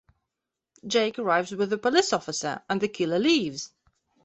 Jake arrives with a police officer, and the killer leaves.